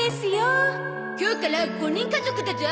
今日から５人家族だゾ。